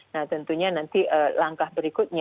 nah tentunya nanti langkah berikutnya